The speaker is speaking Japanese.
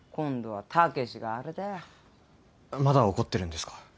まだ怒ってるんですか？